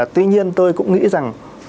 tuy nhiên tôi cũng nghĩ rằng